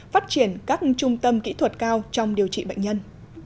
phát triển các trung tâm kỹ thuật cao trong điều trị bệnh nhân